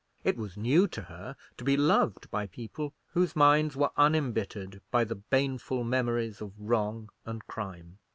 It was new to her to be loved by people whose minds were unembittered by the baneful memories of wrong and crime.